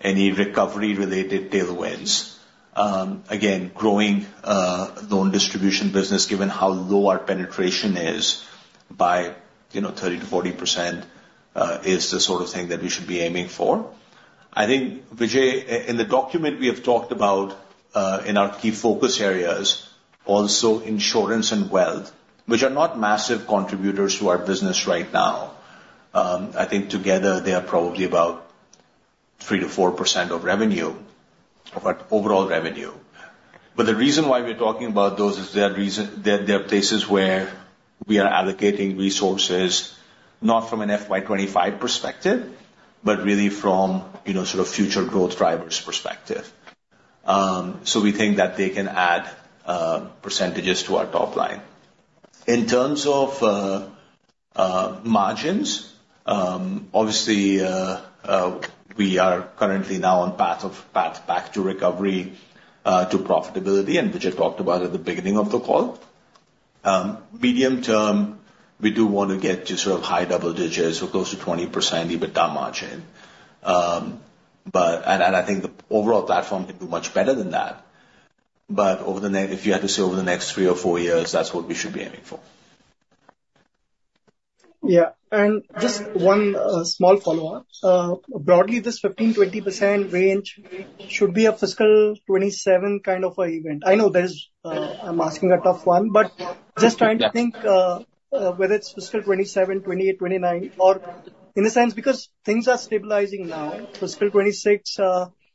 any recovery-related tailwinds, again, growing loan distribution business, given how low our penetration is by, you know, 30%-40%, is the sort of thing that we should be aiming for. I think, Vijay, in the document we have talked about, in our key focus areas, also insurance and wealth, which are not massive contributors to our business right now. I think together they are probably about 3%-4% of revenue, of our overall revenue. But the reason why we're talking about those is there are reasons where we are allocating resources, not from an FY 2025 perspective, but really from, you know, sort of future growth drivers perspective. So we think that they can add percentages to our top line. In terms of margins, obviously, we are currently now on path of path back to recovery to profitability, and which I talked about at the beginning of the call. Medium term, we do want to get to sort of high double digits or close to 20% EBITDA margin. But... And I think the overall platform can do much better than that. But over the next three or four years, that's what we should be aiming for. Yeah. And just one small follow-up. Broadly, this 15%-20% range should be a fiscal 2027 kind of event. I know there's, I'm asking a tough one, but- Yeah. Just trying to think whether it's fiscal 2027, 2028, 2029, or in a sense, because things are stabilizing now, fiscal 2026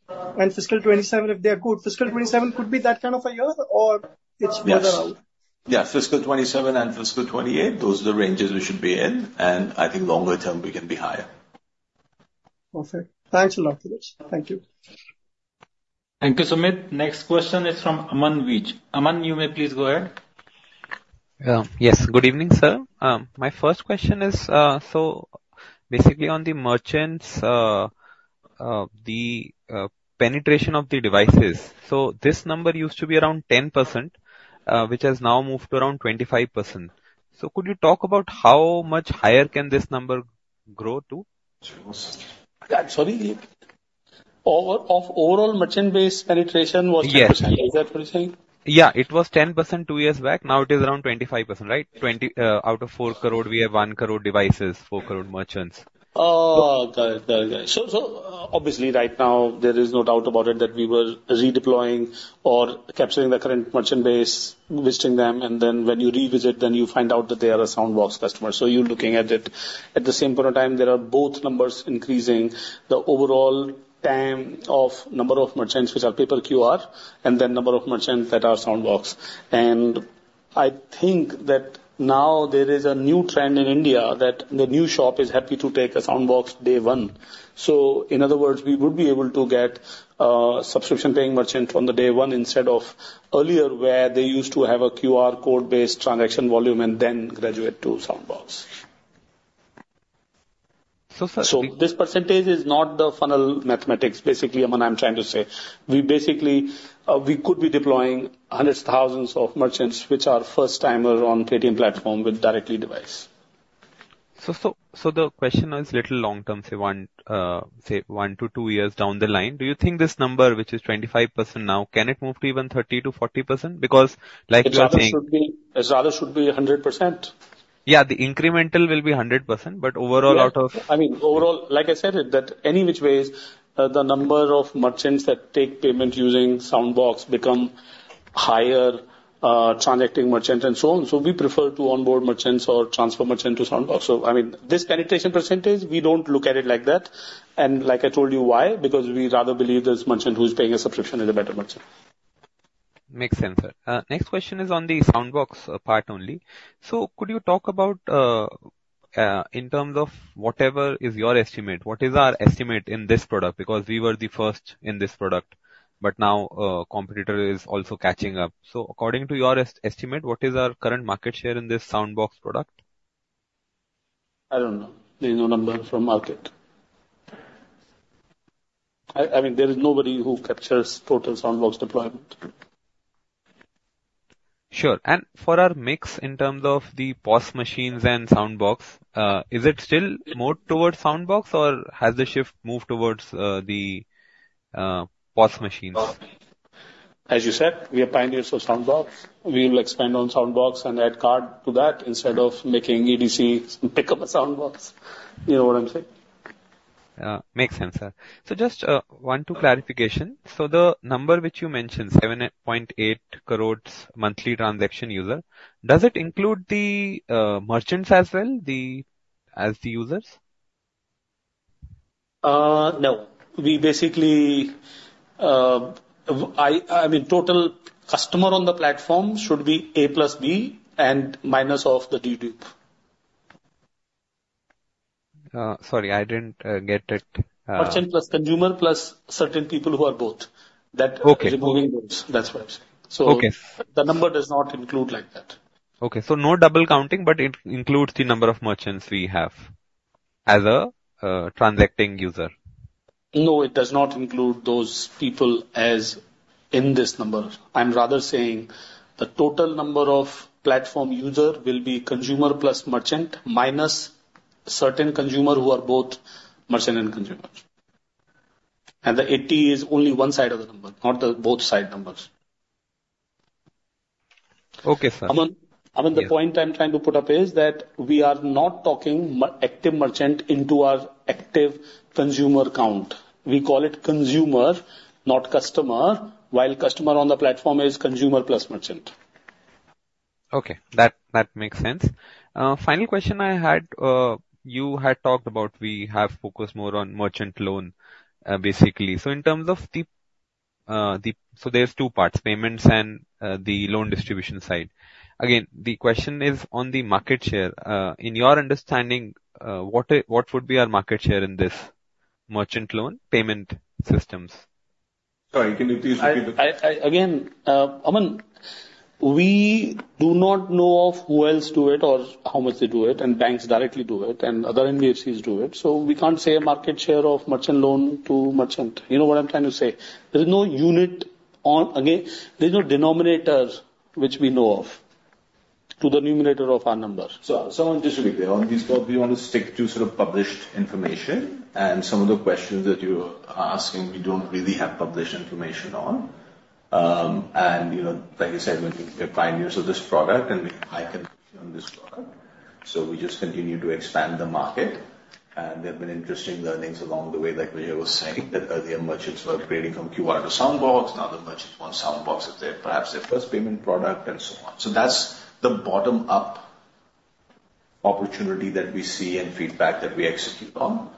and fiscal 2027, if they are good, fiscal 2027 could be that kind of a year, or it's further out? Yes. Yeah, fiscal 2027 and fiscal 2028, those are the ranges we should be in, and I think longer term, we can be higher. Perfect. Thanks a lot for this. Thank you. Thank you, Sumeet. Next question is from Aman Vij. Aman, you may please go ahead. Yes. Good evening, sir. My first question is, so basically on the merchants, the penetration of the devices. So this number used to be around 10%, which has now moved to around 25%. So could you talk about how much higher can this number grow to? I'm sorry. Overall merchant base penetration was 10%. Yes. Is that what you're saying? Yeah, it was 10% two years back. Now it is around 25%, right? 20 crore out of 4 crore, we have 1 crore devices, 4 crore merchants. Oh, got it. Got it. So, obviously, right now, there is no doubt about it that we were redeploying or capturing the current merchant base, visiting them, and then when you revisit, then you find out that they are a Soundbox customer. So you're looking at it. At the same point of time, there are both numbers increasing, the overall TAM of number of merchants which are paper QR, and then number of merchants that are Soundbox. And I think that now there is a new trend in India, that the new shop is happy to take a Soundbox day one. So in other words, we would be able to get subscription-paying merchant on the day one instead of earlier, where they used to have a QR code-based transaction volume and then graduate to Soundbox. So, sir- This percentage is not the final mathematics, basically, Aman, I'm trying to say. We basically, we could be deploying hundreds of thousands of merchants, which are first-timer on Paytm platform with directly device. So, the question is a little long term, say one to two years down the line. Do you think this number, which is 25% now, can it move to even 30%-40%? Because like you are saying- It rather should be, it rather should be 100%. Yeah, the incremental will be 100%, but overall, out of- Yeah. I mean, overall, like I said it, that any which ways, the number of merchants that take payment using Soundbox become higher, transacting merchant and so on. So we prefer to onboard merchants or transfer merchant to Soundbox. So I mean, this penetration percentage, we don't look at it like that. And like I told you, why? Because we rather believe this merchant who is paying a subscription is a better merchant. Makes sense, sir. Next question is on the Soundbox, part only. So could you talk about, in terms of whatever is your estimate, what is our estimate in this product? Because we were the first in this product, but now, competitor is also catching up. So according to your estimate, what is our current market share in this Soundbox product? I don't know. There is no number from market. I, I mean, there is nobody who captures total Soundbox deployment. Sure. For our mix, in terms of the POS machines and Soundbox, is it still more towards Soundbox, or has the shift moved towards the POS machines? As you said, we are pioneers of Soundbox. We will expand on Soundbox and add card to that instead of making EDC pick up a Soundbox. You know what I'm saying? Makes sense, sir. So just one, two clarification. So the number which you mentioned, 7.8 crores monthly transaction user, does it include the merchants as well as the users? No. We basically, I mean, total customer on the platform should be A plus B and minus of the dedupe. Sorry, I didn't get it. Merchant plus consumer plus certain people who are both. Okay. That, removing those, that's what. Okay. The number does not include like that. Okay, so no double counting, but it includes the number of merchants we have as a transacting user. No, it does not include those people as in this number. I'm rather saying the total number of platform user will be consumer plus merchant, minus certain consumer who are both merchant and consumer. The 80 is only one side of the number, not the both side numbers. Okay, sir. Aman, Aman, the point I'm trying to put up is that we are not taking active merchant into our active consumer count. We call it consumer, not customer, while customer on the platform is consumer plus merchant. Okay, that, that makes sense. Final question I had, you had talked about we have focused more on merchant loan, basically. So in terms of the, the, so there's two parts, payments and, the loan distribution side. Again, the question is on the market share. In your understanding, what, what would be our market share in this merchant loan payment systems? Sorry, can you please repeat it? Again, Aman, we do not know of who else do it or how much they do it, and banks directly do it, and other NBFCs do it, so we can't say a market share of merchant loan to merchant. You know what I'm trying to say? There's no unit on... Again, there's no denominators which we know of to the numerator of our numbers. So, so just to be clear on this, we want to stick to sort of published information, and some of the questions that you are asking, we don't really have published information on. And, you know, like you said, we're pioneers of this product, and we have high conviction on this product, so we just continue to expand the market. And there have been interesting learnings along the way, like Vijay was saying, that earlier merchants were upgrading from QR to Soundbox. Now the merchants want Soundbox as their, perhaps, their first payment product, and so on. So that's the bottom up opportunity that we see and feedback that we execute on.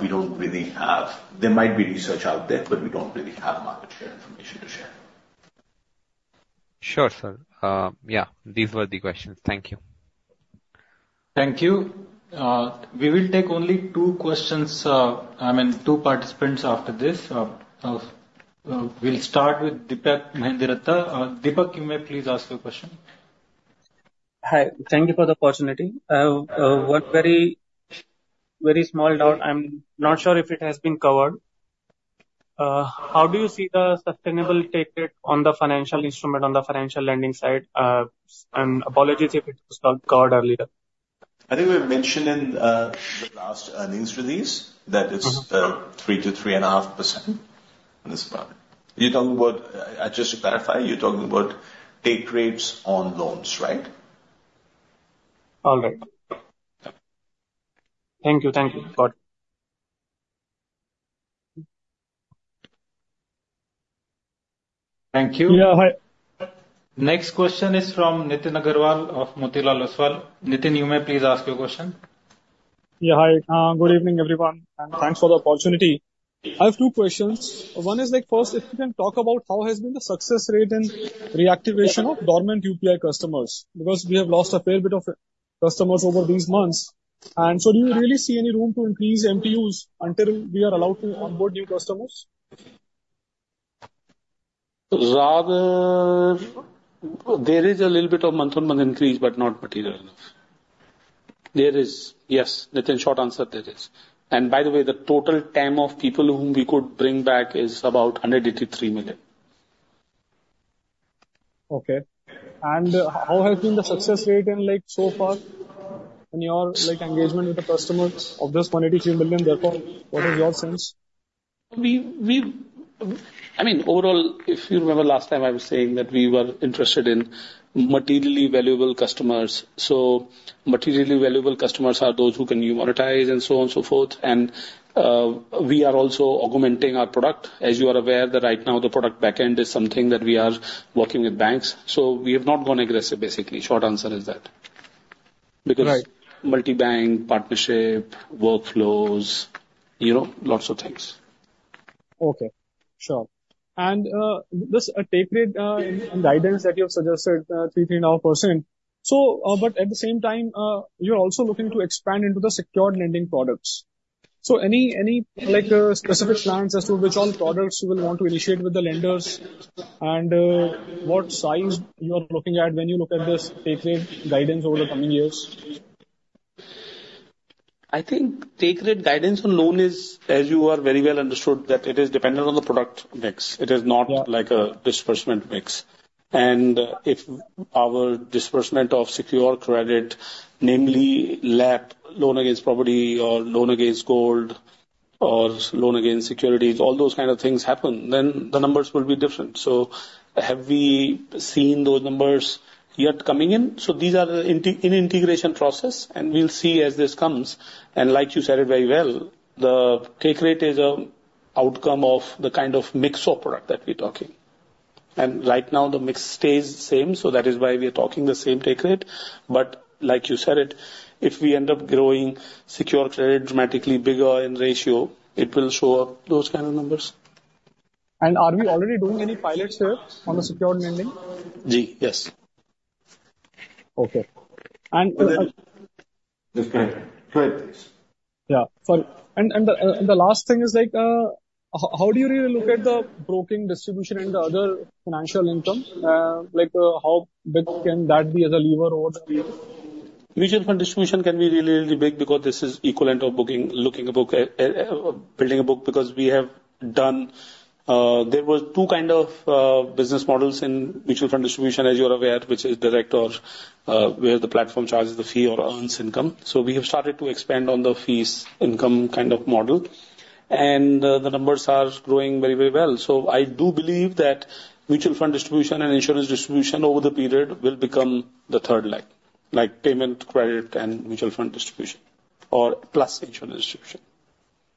We don't really have... There might be research out there, but we don't really have market share information to share. Sure, sir. Yeah, these were the questions. Thank you. Thank you. We will take only two questions, I mean, two participants after this. We'll start with Deepak Mehndiratta. Deepak, you may please ask your question. Hi. Thank you for the opportunity. One very, very small doubt. I'm not sure if it has been covered. How do you see the sustainable take rate on the financial instrument, on the financial lending side? And apologies if it was covered earlier. I think we mentioned in the last earnings release that it's 3%-3.5%, and that's about it. You're talking about just to clarify, you're talking about take rates on loans, right? All right. Thank you, thank you. Bye. Thank you..Next question is from Nitin Aggarwal of Motilal Oswal. Nitin, you may please ask your question. Yeah, hi. Good evening, everyone, and thanks for the opportunity. I have two questions. One is like, first, if you can talk about how has been the success rate in reactivation of dormant UPI customers? Because we have lost a fair bit of customers over these months. And so do you really see any room to increase MTUs until we are allowed to onboard new customers? Rather, there is a little bit of month-on-month increase, but not material enough. There is, yes, Nitin, short answer, there is. And by the way, the total TAM of people whom we could bring back is about 183 million. Okay. How has been the success rate and like, so far, in your, like, engagement with the customers of this 183 million therefore, what is your sense? I mean, overall, if you remember last time, I was saying that we were interested in materially valuable customers. So materially valuable customers are those who can monetize and so on and so forth. And we are also augmenting our product. As you are aware, right now, the product back end is something that we are working with banks, so we have not gone aggressive, basically. Short answer is that. Right. Because multi-bank, partnership, workflows, you know, lots of things. Okay. Sure. And, this, take rate, and guidance that you have suggested, 3%-3.5%. So, but at the same time, you're also looking to expand into the secured lending products. So any, any, like, specific plans as to which all products you will want to initiate with the lenders, and, what size you are looking at when you look at this take rate guidance over the coming years? I think take rate guidance on loan is, as you very well understand, that it is dependent on the product mix. Yeah. It is not like a disbursement mix. And if our disbursement of secure credit, namely LAP, loan against property or loan against gold or loan against securities, all those kind of things happen, then the numbers will be different. So have we seen those numbers yet coming in? So these are in the, in integration process, and we'll see as this comes. And like you said it very well, the take rate is a outcome of the kind of mix of product that we're talking. And right now, the mix stays the same, so that is why we are talking the same take rate. But like you said it, if we end up growing secure credit dramatically bigger in ratio, it will show up, those kind of numbers. Are we already doing any pilots here on the secured lending? Ji, yes. Okay. And, Just go ahead. Go ahead, please. Yeah, sorry. And the last thing is like, how do you really look at the broking distribution and the other financial income? Like, how big can that be as a lever or what? Mutual fund distribution can be really, really big because this is equivalent of building a book, because we have done. There were two kind of business models in mutual fund distribution, as you are aware, which is direct or where the platform charges the fee or earns income. So we have started to expand on the fees income kind of model, and the numbers are growing very, very well. So I do believe that mutual fund distribution and insurance distribution over the period will become the third leg, like payment, credit, and mutual fund distribution, or plus insurance distribution.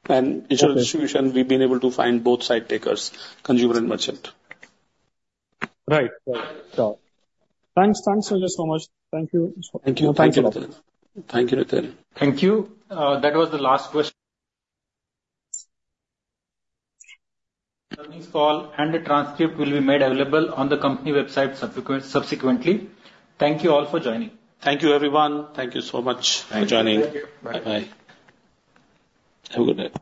Okay. Insurance distribution, we've been able to find both side takers, consumer and merchant. Right. Right. Sure. Thanks, thanks Vijay, so much. Thank you. Thank you. Thank you, Nitin. Thank you. That was the last question. Earnings call and the transcript will be made available on the company website subsequent, subsequently. Thank you all for joining. Thank you, everyone. Thank you so much for joining. Thank you. Bye-bye. Have a good day.